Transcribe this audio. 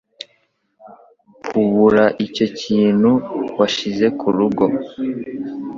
Hubura icyo kintu washyize kurugo